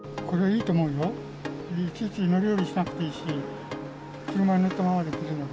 いちいち乗り降りしなくていいし、車に乗ったままでいいので。